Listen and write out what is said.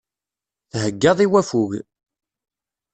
Theggaḍ i waffug.